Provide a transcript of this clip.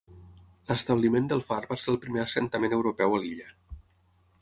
L’establiment del far va ser el primer assentament europeu a l’illa.